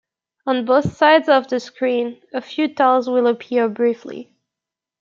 On both sides of the screen, a few tiles will appear briefly.